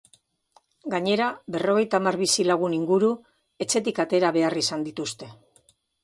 Gainera, berrogeita hamar bizilagun inguru etxetik atera behar izan dituzte.